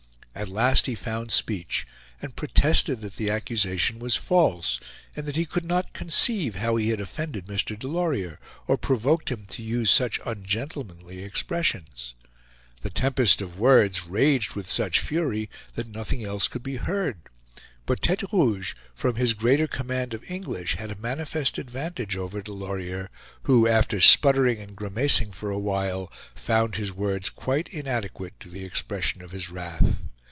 At last he found speech, and protested that the accusation was false; and that he could not conceive how he had offended Mr. Delorier, or provoked him to use such ungentlemanly expressions. The tempest of words raged with such fury that nothing else could be heard. But Tete Rouge, from his greater command of English, had a manifest advantage over Delorier, who after sputtering and grimacing for a while, found his words quite inadequate to the expression of his wrath.